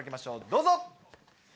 どうぞ！